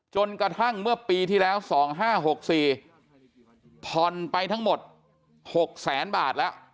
จนกระทั่งเมื่อปีที่แล้ว๒๕๖๔ผ่อนไปทั้งหมด๖แสนบาทแล้ว